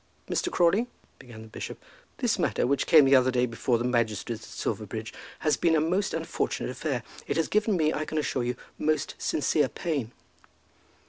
"Mr. Crawley," began the bishop, "this matter which came the other day before the magistrates at Silverbridge has been a most unfortunate affair. It has given me, I can assure you, the most sincere pain."